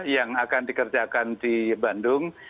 yang akan dikerjakan di bandung